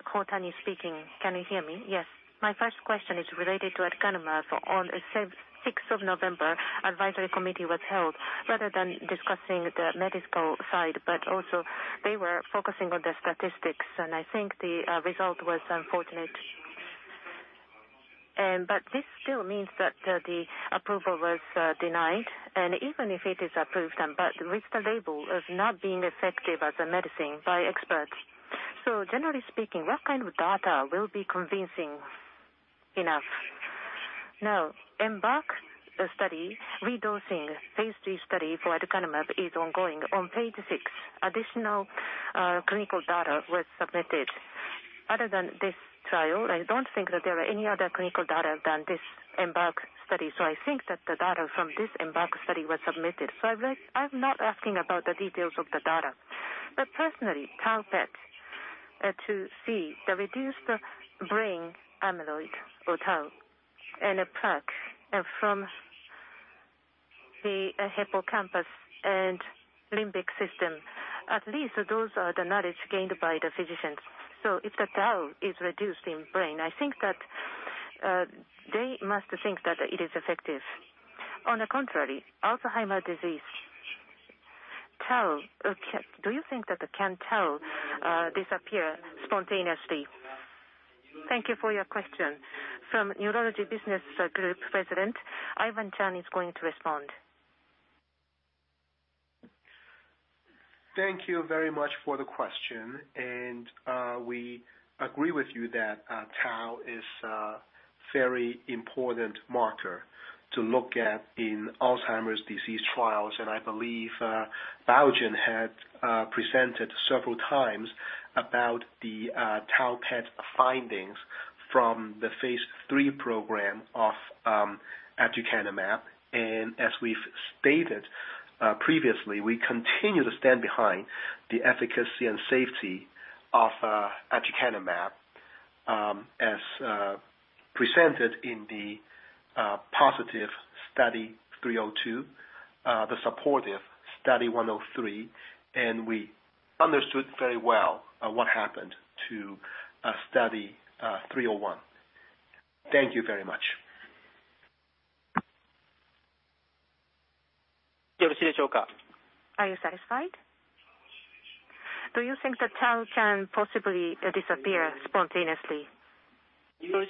Speaker 6: Kotani speaking. Can you hear me?
Speaker 1: Yes.
Speaker 6: My first question is related to aducanumab. On the November 6th, advisory committee was held. Rather than discussing the medical side, but also they were focusing on the statistics, and I think the result was unfortunate. This still means that the approval was denied, and even if it is approved, but with the label of not being effective as a medicine by experts. Generally speaking, what kind of data will be convincing enough? Now, EMBARK study, redosing phase III study for aducanumab is ongoing. On page six, additional clinical data was submitted. Other than this trial, I don't think that there are any other clinical data than this EMBARK study. I think that the data from this EMBARK study was submitted. I'm not asking about the details of the data, but personally, tau PET to see the reduced brain amyloid or tau in a plaque from the hippocampus and limbic system, at least those are the knowledge gained by the physicians. If the tau is reduced in brain, I think that they must think that it is effective. On the contrary, Alzheimer's disease, tau. Do you think that the tau can disappear spontaneously?
Speaker 1: Thank you for your question. From Neurology Business Group President, Ivan Cheung is going to respond.
Speaker 3: Thank you very much for the question. We agree with you that tau is a very important marker to look at in Alzheimer's disease trials. I believe Biogen had presented several times about the tau PET findings from the phase III program of aducanumab. As we've stated previously, we continue to stand behind the efficacy and safety of aducanumab as presented in the positive Study 302, the supportive Study 103, and we understood very well what happened to Study 301. Thank you very much.
Speaker 6: Are you satisfied? Do you think that tau can possibly disappear spontaneously?
Speaker 3: All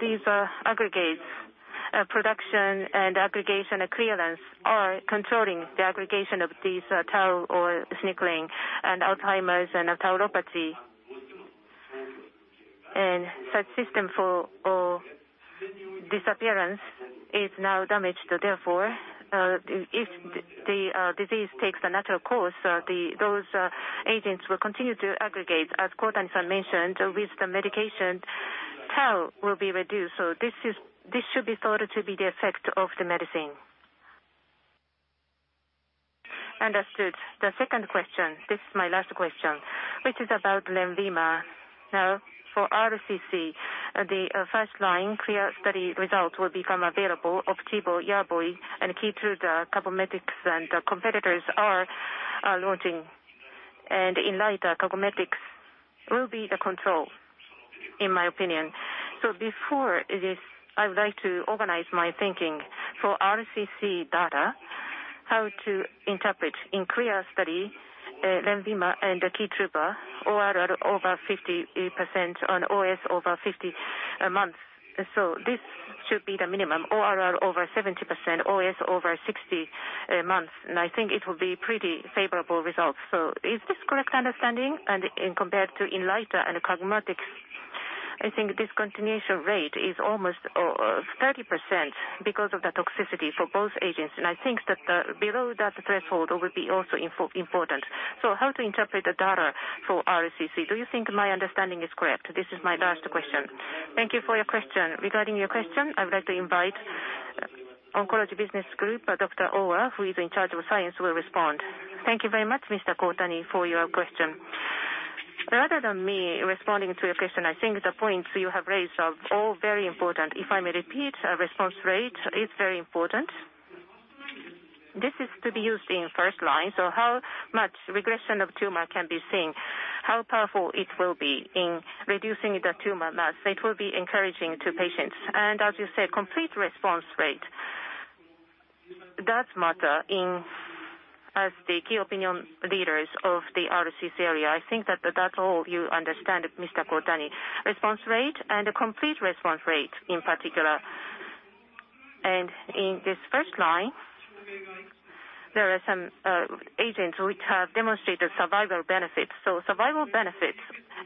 Speaker 3: these aggregates, production and aggregation clearance are controlling the aggregation of these tau or synuclein and Alzheimer's and tauopathy. Such system for disappearance is now damaged. Therefore, if the disease takes a natural course, those agents will continue to aggregate, as Kotani mentioned, with the medication, tau will be reduced. This should be thought to be the effect of the medicine.
Speaker 6: Understood. The second question, this is my last question, which is about LENVIMA. Now, for RCC, the first-line CLEAR study results will become available, OPDIVO, YERVOY, and KEYTRUDA, Cabometyx and competitors are launching. Inlyta, Cabometyx will be the control, in my opinion. Before this, I would like to organize my thinking. For RCC data, how to interpret. In CLEAR study, LENVIMA and the KEYTRUDA, ORR over 50% on OS over 50 months. This should be the minimum, ORR over 70%, OS over 60 months. I think it will be pretty favorable results. Is this correct understanding? In compared to Inlyta and Cabometyx, I think discontinuation rate is almost 30% because of the toxicity for both agents. I think that below that threshold will be also important. How to interpret the data for RCC? Do you think my understanding is correct? This is my last question.
Speaker 1: Thank you for your question. Regarding your question, I would like to invite Oncology Business Group, Dr. Owa, who is in charge of science, will respond.
Speaker 7: Thank you very much, Mr. Kotani, for your question. Rather than me responding to your question, I think the points you have raised are all very important. If I may repeat, response rate is very important. This is to be used in first-line, so how much regression of tumor can be seen, how powerful it will be in reducing the tumor mass, it will be encouraging to patients. As you said, complete response rate does matter as the key opinion leaders of the RCC area. I think that that's all you understand, Mr. Kotani. Response rate and complete response rate in particular. In this first-line, there are some agents which have demonstrated survival benefits. Survival benefits,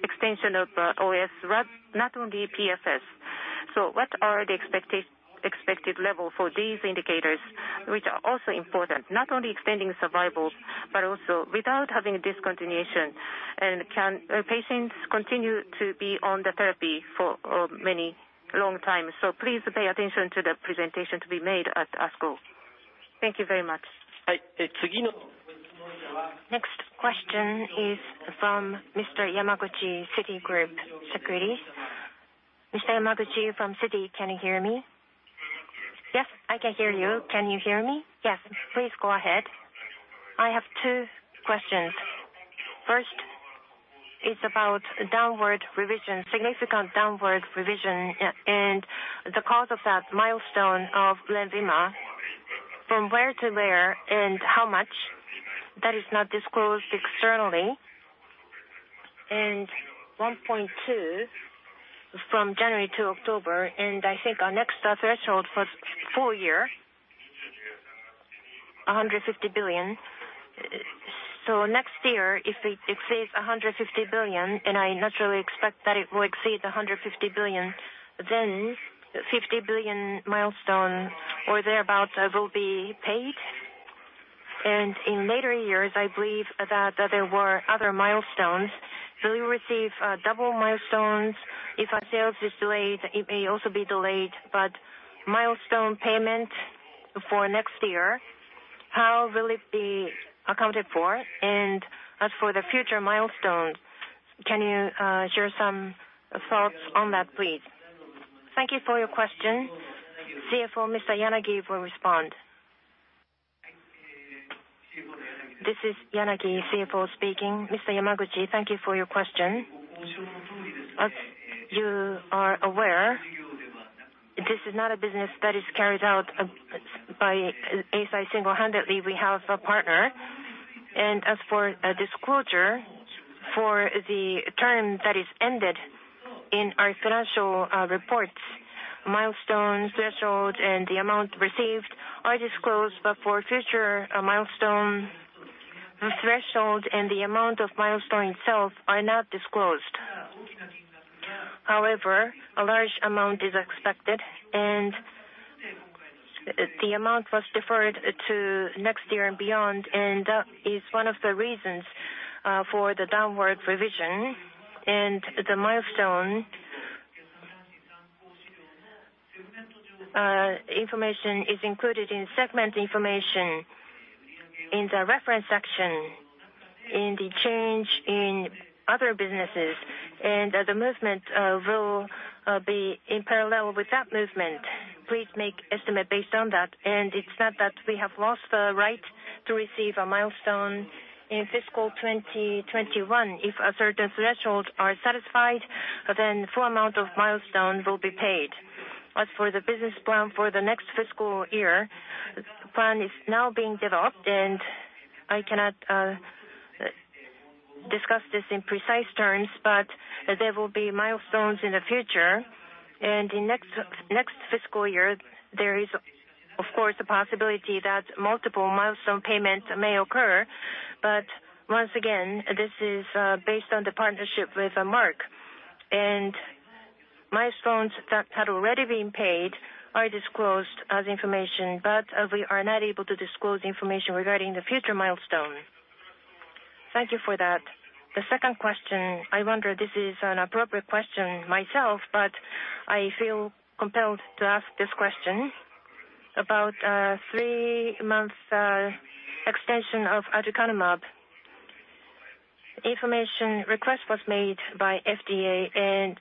Speaker 7: extension of OS, not only PFS. What are the expected level for these indicators, which are also important, not only extending survival, but also without having discontinuation? Can patients continue to be on the therapy for a long time? Please pay attention to the presentation to be made at ASCO. Thank you very much.
Speaker 1: Next question is from Mr. Yamaguchi, Citigroup Securities. Mr. Yamaguchi from Citi, can you hear me?
Speaker 8: Yes, I can hear you. Can you hear me?
Speaker 1: Yes. Please go ahead.
Speaker 8: I have two questions. First, it's about significant downward revision and the cause of that milestone of LENVIMA. From where to where and how much? That is not disclosed externally. 1.2 billion from January to October, and I think our next threshold for full year, 150 billion. Next year, if it exceeds 150 billion, and I naturally expect that it will exceed 150 billion, then 50 billion milestone or thereabout will be paid. In later years, I believe that there were other milestones. Will you receive double milestones? If a sales is delayed, it may also be delayed, but milestone payment for next year, how will it be accounted for? As for the future milestones, can you share some thoughts on that, please?
Speaker 1: Thank you for your question. CFO, Mr. Yanagi, will respond.
Speaker 2: This is Yanagi, CFO speaking. Mr. Yamaguchi, thank you for your question. As you are aware, this is not a business that is carried out by Eisai single-handedly. We have a partner. As for a disclosure, for the term that is ended in our financial reports, milestones, threshold, and the amount received are disclosed, but for future milestone, the threshold and the amount of milestone itself are not disclosed. However, a large amount is expected, and the amount was deferred to next year and beyond, and that is one of the reasons for the downward revision. The milestone information is included in segment information in the reference section in the change in other businesses, and the movement will be in parallel with that movement. Please make estimate based on that. It's not that we have lost the right to receive a milestone in fiscal 2021. If a certain thresholds are satisfied, then full amount of milestone will be paid. As for the business plan for the next fiscal year, plan is now being developed, and I cannot discuss this in precise terms, but there will be milestones in the future. In next fiscal year, there is Of course, the possibility that multiple milestone payments may occur. Once again, this is based on the partnership with Merck. Milestones that had already been paid are disclosed as information, but we are not able to disclose the information regarding the future milestone.
Speaker 8: Thank you for that. The second question, I wonder, this is an appropriate question myself, but I feel compelled to ask this question. About three months extension of aducanumab. Information request was made by FDA and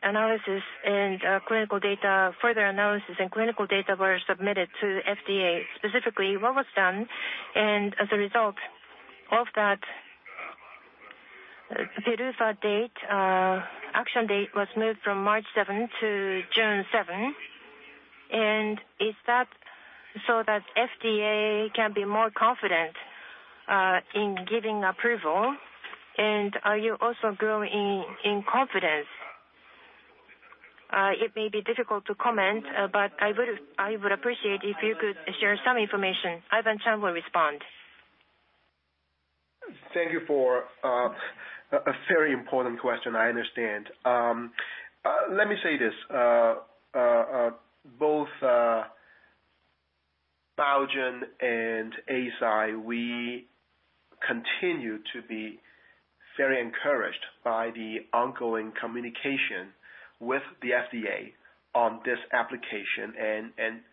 Speaker 8: further analysis and clinical data were submitted to FDA. Specifically, what was done? As a result of that, PDUFA action date was moved from March 7 to June 7. Is that so that FDA can be more confident in giving approval? Are you also growing in confidence? It may be difficult to comment, but I would appreciate if you could share some information.
Speaker 1: Ivan Cheung will respond.
Speaker 3: Thank you for a very important question, I understand. Let me say this. Both Biogen and Eisai, we continue to be very encouraged by the ongoing communication with the FDA on this application.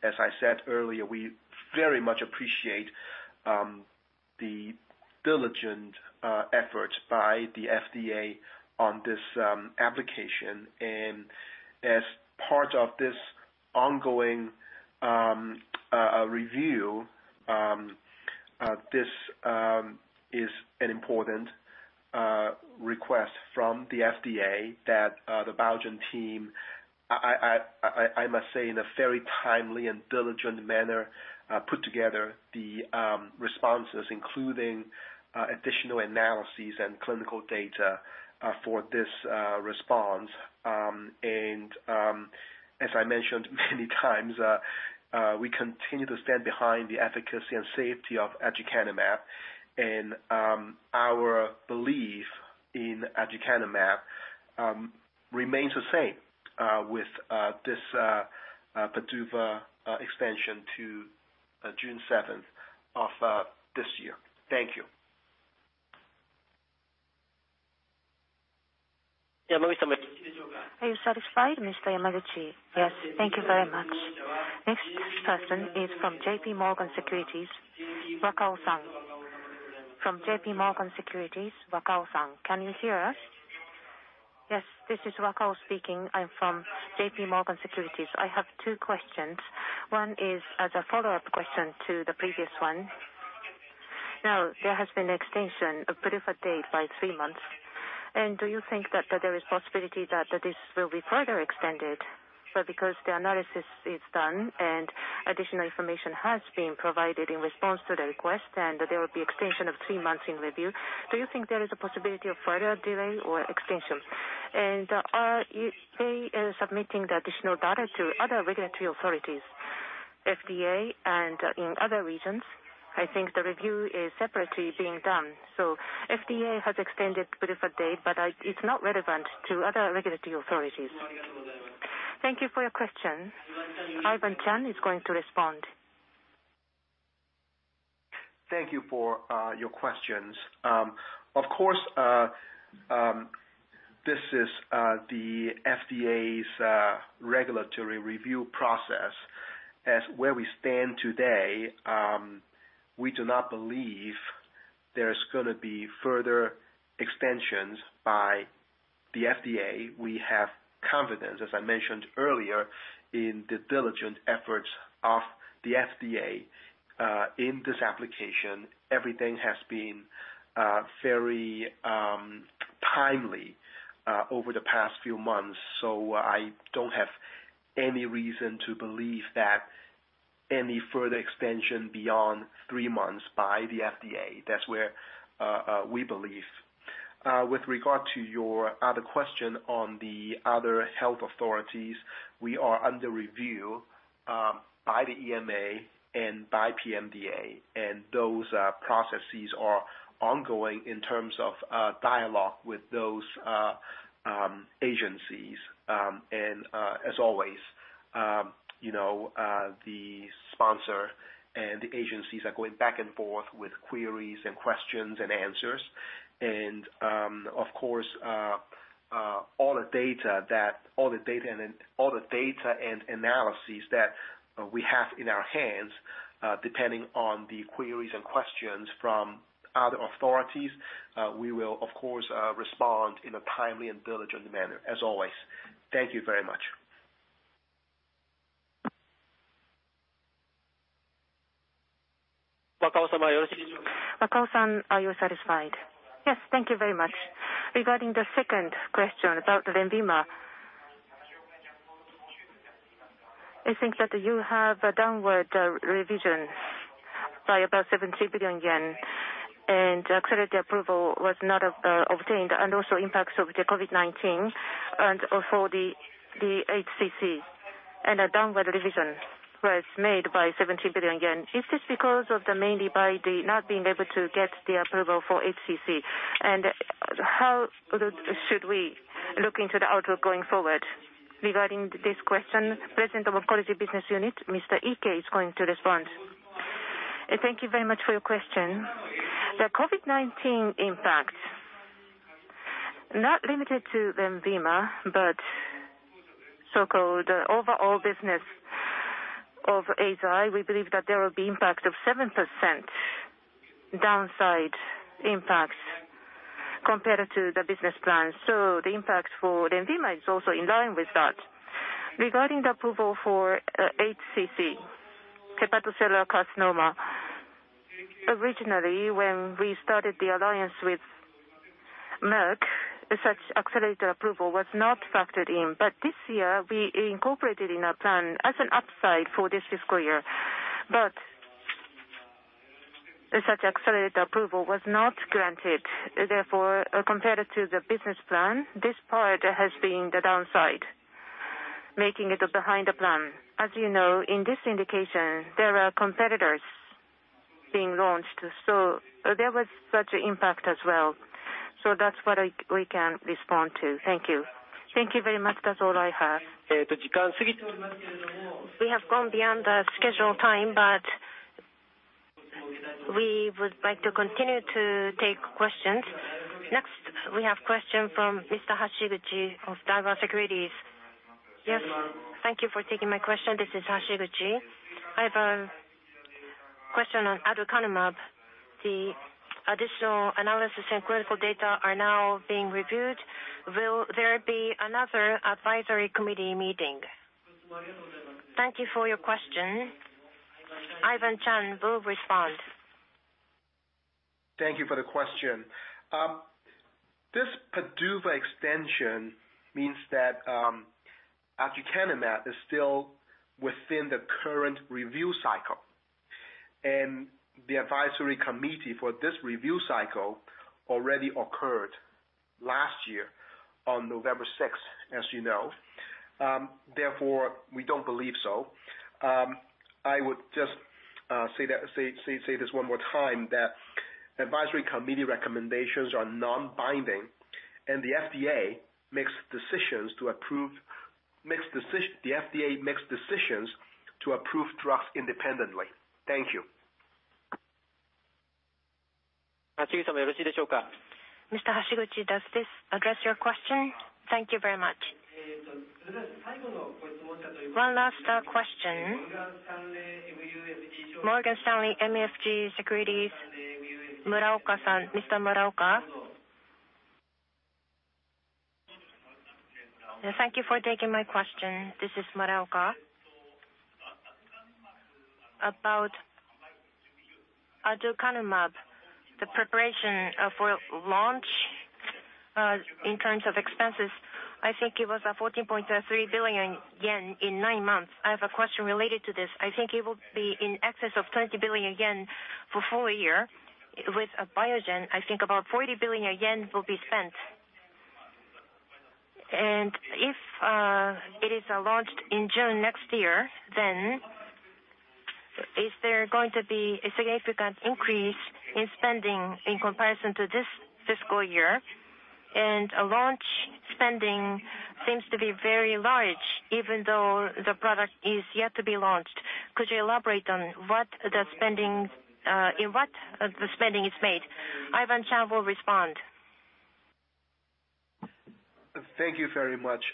Speaker 3: As I said earlier, we very much appreciate the diligent efforts by the FDA on this application. As part of this ongoing review, this is an important request from the FDA that the Biogen team, I must say, in a very timely and diligent manner, put together the responses, including additional analyses and clinical data for this response. As I mentioned many times, we continue to stand behind the efficacy and safety of aducanumab, and our belief in aducanumab remains the same with this PDUFA extension to June 7th of this year. Thank you.
Speaker 1: Are you satisfied, Mr. Yamaguchi?
Speaker 8: Yes. Thank you very much.
Speaker 1: Next person is from JPMorgan Securities, Wakao-san. From JPMorgan Securities, Wakao-san, can you hear us?
Speaker 9: Yes, this is Wakao speaking. I'm from JPMorgan Securities. I have two questions. One is as a follow-up question to the previous one. There has been extension of PDUFA date by three months. Do you think that there is possibility that this will be further extended? Because the analysis is done and additional information has been provided in response to the request, there will be extension of three months in review, do you think there is a possibility of further delay or extension? Are you submitting the additional data to other regulatory authorities, FDA and in other regions? I think the review is separately being done. FDA has extended PDUFA date, it's not relevant to other regulatory authorities.
Speaker 1: Thank you for your question. Ivan Cheung is going to respond.
Speaker 3: Thank you for your questions. Of course, this is the FDA's regulatory review process. As where we stand today, we do not believe there's going to be further extensions by the FDA. We have confidence, as I mentioned earlier, in the diligent efforts of the FDA in this application. Everything has been very timely over the past few months. I don't have any reason to believe that any further extension beyond three months by the FDA. That's where we believe. With regard to your other question on the other health authorities, we are under review by the EMA and by PMDA. Those processes are ongoing in terms of dialogue with those agencies. As always, the sponsor and the agencies are going back and forth with queries and questions and answers. Of course, all the data and analyses that we have in our hands, depending on the queries and questions from other authorities, we will, of course, respond in a timely and diligent manner as always. Thank you very much.
Speaker 1: Wakao-san, are you satisfied?
Speaker 9: Yes, thank you very much. Regarding the second question about LENVIMA, I think that you have a downward revision by about 73 billion yen. Accelerated approval was not obtained, also impacts of the COVID-19 for the HCC. A downward revision was made by 70 billion yen. Is this because mainly by not being able to get the approval for HCC? How should we look into the outlook going forward?
Speaker 1: Regarding this question, President of Oncology Business Group, Mr. Iike, is going to respond.
Speaker 4: Thank you very much for your question. The COVID-19 impact, not limited to LENVIMA, but so-called overall business of Eisai, we believe that there will be impact of 7% downside impacts compared to the business plan. The impact for LENVIMA is also in line with that. Regarding the approval for HCC, hepatocellular carcinoma, originally, when we started the alliance with Merck, such accelerated approval was not factored in. This year, we incorporated in our plan as an upside for this fiscal year. Such accelerated approval was not granted. Therefore, compared to the business plan, this part has been the downside, making it behind the plan. As you know, in this indication, there are competitors being launched, so there was such impact as well. That's what we can respond to. Thank you.
Speaker 1: Thank you very much. That's all I have. We have gone beyond the scheduled time, but we would like to continue to take questions. Next, we have question from Mr. Hashiguchi of Daiwa Securities.
Speaker 10: Yes. Thank you for taking my question. This is Hashiguchi. I have a question on aducanumab. The additional analysis and clinical data are now being reviewed. Will there be another advisory committee meeting?
Speaker 1: Thank you for your question. Ivan Cheung will respond.
Speaker 3: Thank you for the question. This PDUFA extension means that aducanumab is still within the current review cycle. The advisory committee for this review cycle already occurred last year on November 6th, as you know. Therefore, we don't believe so. I would just say this one more time, that advisory committee recommendations are non-binding and the FDA makes decisions to approve drugs independently. Thank you.
Speaker 1: Mr. Hashiguchi, does this address your question?
Speaker 10: Thank you very much.
Speaker 1: One last question. Morgan Stanley MUFG Securities, Mr. Muraoka.
Speaker 11: Thank you for taking my question. This is Muraoka. About aducanumab, the preparation for launch, in terms of expenses, I think it was 14.3 billion yen in nine months. I have a question related to this. I think it will be in excess of 20 billion yen for full year. With Biogen, I think about 40 billion yen will be spent. If it is launched in June next year, is there going to be a significant increase in spending in comparison to this fiscal year? Launch spending seems to be very large, even though the product is yet to be launched. Could you elaborate on in what the spending is made?
Speaker 1: Ivan Cheung will respond.
Speaker 3: Thank you very much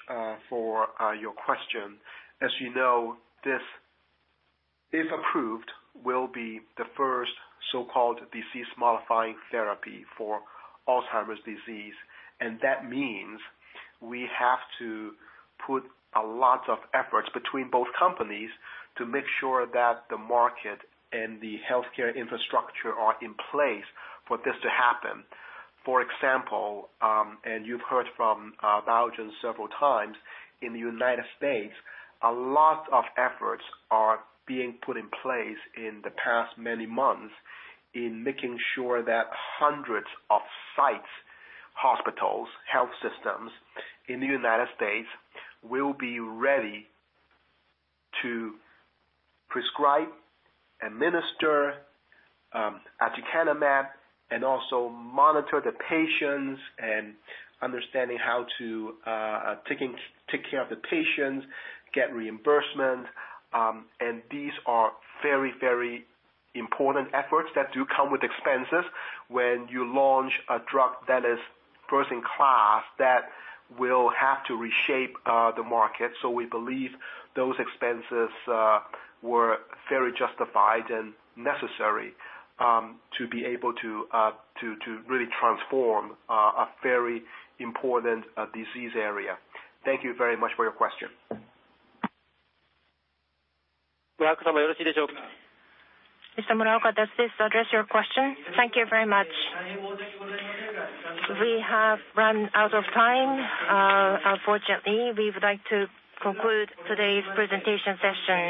Speaker 3: for your question. As you know, this, if approved, will be the first so-called disease-modifying therapy for Alzheimer's disease. That means we have to put a lot of efforts between both companies to make sure that the market and the healthcare infrastructure are in place for this to happen. For example, you've heard from Biogen several times, in the U.S., a lot of efforts are being put in place in the past many months in making sure that hundreds of sites, hospitals, health systems in the U.S. will be ready to prescribe, administer aducanumab and also monitor the patients and understanding how to take care of the patients, get reimbursement. These are very important efforts that do come with expenses when you launch a drug that is first in class, that will have to reshape the market.
Speaker 2: We believe those expenses were very justified and necessary, to be able to really transform a very important disease area. Thank you very much for your question.
Speaker 1: Mr. Muraoka, does this address your question?
Speaker 11: Thank you very much.
Speaker 1: We have run out of time, unfortunately. We would like to conclude today's presentation session.